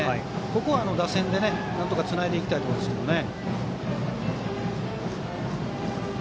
ここは打線でなんとかつないでいきたいですね。